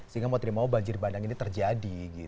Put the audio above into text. sehingga mau terima wabah jiribandang ini terjadi